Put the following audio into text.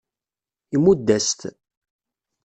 Imudd-as-t.